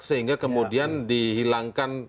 sehingga kemudian dihilangkan